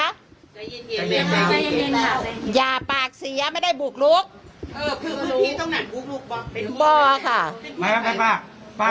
ใจเย็นอย่าปากเสียไม่ได้บุกลุกเออคือพื้นที่ต้องนั่งบุกลุกบอก